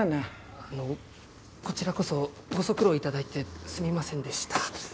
あのこちらこそご足労頂いてすみませんでした。